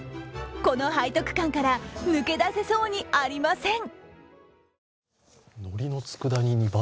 この背徳感から抜け出せそうにありません。